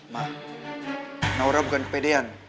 ma naura bukan kepedean